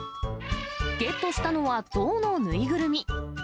ゲットしたのは象の縫いぐるみ。